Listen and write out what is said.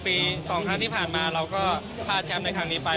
๒ครั้งที่ผ่านมาเราก็พลาดแชมป์ในครั้งนี้ไป